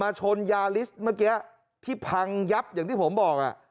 มาชนยาริสเมื่อกี้ที่พังยับอย่างที่ผมบอก